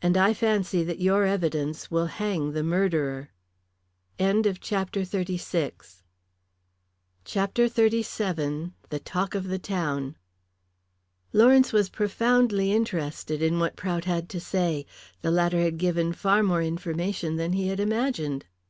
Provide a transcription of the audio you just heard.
And I fancy that your evidence will hang the murderer." CHAPTER XXXVII. THE TALK OF THE TOWN. Lawrence was profoundly interested in what Prout had to say. The latter had given far more information than he had imagined.